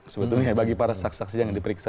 sebetulnya bagi para saksi saksi yang diperiksa